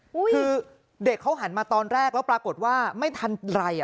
คือเด็กเขาหันมาตอนแรกแล้วปรากฏว่าไม่ทันไรอ่ะ